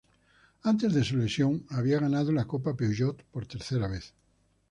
Antes de su lesión, había ganado la Copa Peugeot por tercera vez.